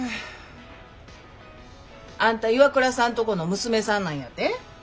あんたＩＷＡＫＵＲＡさんとこの娘さんなんやて？